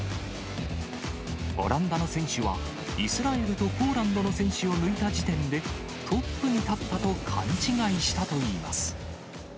オランダの選手は、イスラエルとポーランドの選手を抜いた時点で、トップに立ったと勘違いしたといいます。